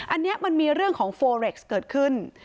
อันนี้มันมีเรื่องของโฟเร็กซ์เกิดขึ้น